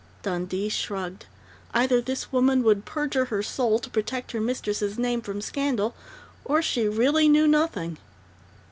Dundee shrugged. Either this woman would perjure her soul to protect her mistress' name from scandal, or she really knew nothing.